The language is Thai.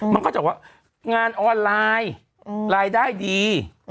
มันก็จะว่างานออนไลน์รายได้ดี